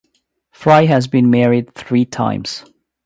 Frye has been married three times.